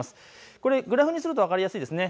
これグラフにすると分かりやすいですね。